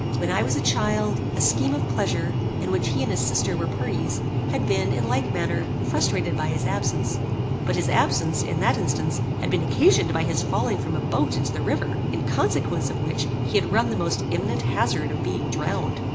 When I was a child, a scheme of pleasure, in which he and his sister were parties, had been, in like manner, frustrated by his absence; but his absence, in that instance, had been occasioned by his falling from a boat into the river, in consequence of which he had run the most imminent hazard of being drowned.